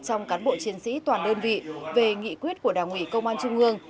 trong cán bộ chiến sĩ toàn đơn vị về nghị quyết của đảng ủy công an trung ương